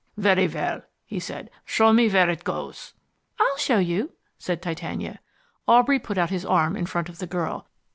"Very well," he said. "Show me where it goes." "I'll show you," said Titania. Aubrey put out his arm in front of the girl.